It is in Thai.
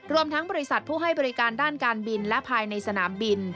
รวมทั้งบริษัทผู้ให้บริการด้านการบินและภายในสนามบิน